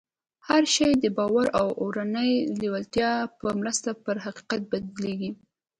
هر شی د باور او اورنۍ لېوالتیا په مرسته پر حقیقت بدلېږي